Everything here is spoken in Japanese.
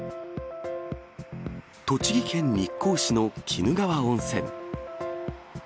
栃木県日光市の鬼怒川温泉。